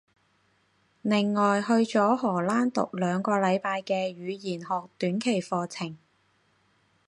另外去咗荷蘭讀兩個禮拜嘅語言學短期課程